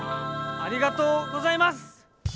ありがとうございます！